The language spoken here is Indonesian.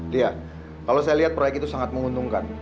dia kalau saya lihat proyek itu sangat menguntungkan